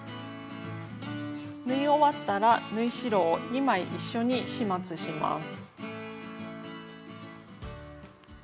縫い終わったら縫い代を２枚一緒に始末します。